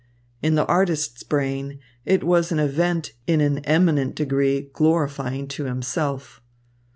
In the artist's brain, it was an event in an eminent degree glorifying to himself.